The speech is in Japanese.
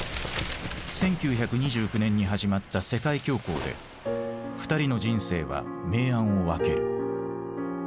１９２９年に始まった世界恐慌で２人の人生は明暗を分ける。